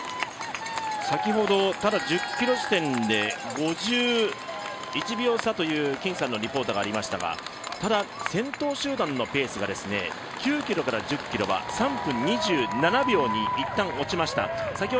先ほど１０ｋｍ地点で５１秒差という金さんのリポートがありましたが先頭集団のペースが、９ｋｍから１０ｋｍは３分２７秒にいったん、落ちました。